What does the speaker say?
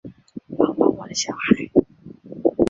帮帮我的小孩